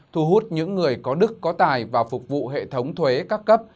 thu hút những người có đức có tài vào phục vụ hệ thống thuế các cấp